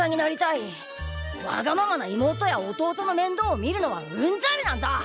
わがままな妹や弟のめんどうを見るのはうんざりなんだ！